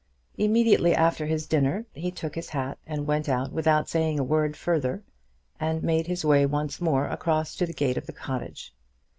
Immediately after his dinner, he took his hat and went out without saying a word further, and made his way once more across to the gate of the cottage.